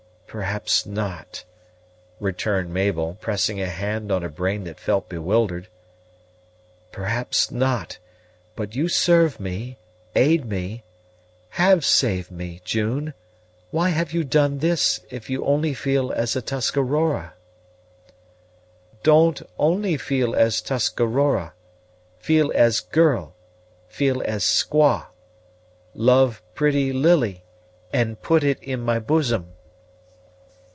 "Perhaps not," returned Mabel, pressing a hand on a brain that felt bewildered, "perhaps not; but you serve me, aid me have saved me, June! Why have you done this, if you only feel as a Tuscarora?" "Don't only feel as Tuscarora; feel as girl, feel as squaw. Love pretty Lily, and put it in my bosom."